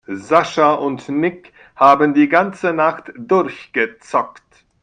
Sascha und Nick haben die ganze Nacht durchgezockt.